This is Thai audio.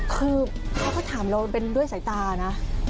คือเขาก็ถามเราเป็นด้วยสายตานะ